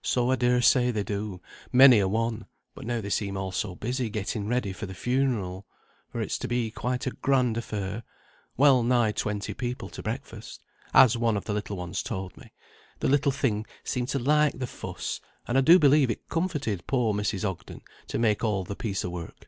"So I dare say they do, many a one, but now they seem all so busy getting ready for the funeral; for it's to be quite a grand affair, well nigh twenty people to breakfast, as one of the little ones told me; the little thing seemed to like the fuss, and I do believe it comforted poor Mrs. Ogden to make all the piece o' work.